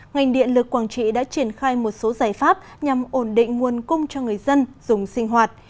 ngành điện lực quảng trị đã triển khai một số giải pháp nhằm ổn định nguồn cung cho người dân dùng sinh hoạt